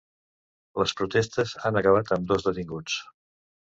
Les protestes han acabat amb dos detinguts.